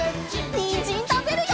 にんじんたべるよ！